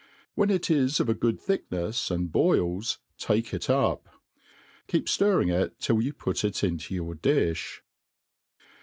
When it is of a good thickneb, and boils, take it up. Keep ftirring it till you put it into your di(h.